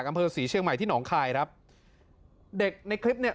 อำเภอศรีเชียงใหม่ที่หนองคายครับเด็กในคลิปเนี่ย